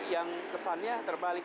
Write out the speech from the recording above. yang kesannya terbalik